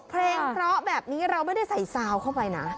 เพลงเพราะแบบนี้เราไม่ได้ใส่ซาวเข้าไปนะ